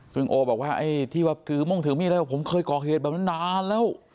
ซึ่งโอบอกว่าไอ้ที่ว่าถือมงถือมีดอะไรผมเคยก่อเหตุแบบนั้นนานแล้ว